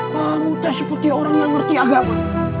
penghutas seperti orang yang ngerti agama